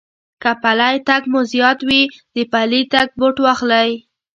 که پٔلی تگ مو زيات وي، د پلي تگ بوټ واخلئ.